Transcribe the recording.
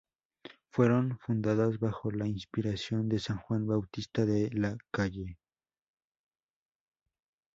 Fueron fundadas bajo la inspiración de San Juan Bautista De La Salle.